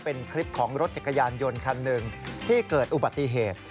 เป็นคลิปของรถจักรยานยนต์คันหนึ่งที่เกิดอุบัติเหตุ